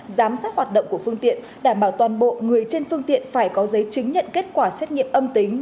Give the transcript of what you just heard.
giám sát hoạt động của phương tiện đảm bảo toàn bộ người trên phương tiện phải có giấy chứng nhận kết quả xét nghiệm âm tính